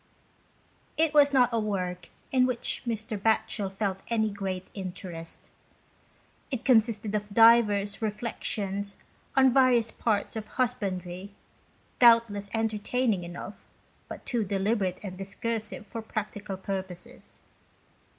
It was not a work in which Mr. Batchel felt any great interest. It consisted of divers reflections on various parts of husbandry, doubtless enter taining enough, but too deliberate and discur sive for practical purposes.